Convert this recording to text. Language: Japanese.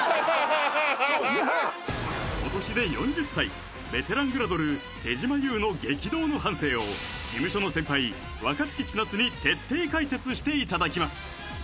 今年で４０歳ベテラングラドル手島優の激動の半生を事務所の先輩若槻千夏に徹底解説していただきます